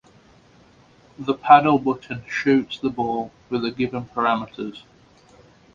The paddle button shoots the ball with the given parameters.